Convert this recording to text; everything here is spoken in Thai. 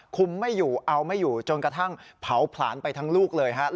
ไม่อยู่เอาไม่อยู่จนกระทั่งเผาผลาญไปทั้งลูกเลยครับ